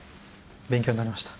勉強になりました。